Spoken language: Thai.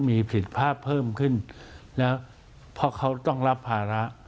มีผิดภาพเพิ่มขึ้นแล้วเพราะเขาต้องรับภาระ